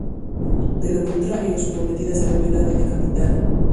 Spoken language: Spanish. De lo contrario, su prometida será violada y decapitada.